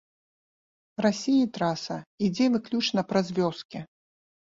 Расіі траса ідзе выключна праз вёскі.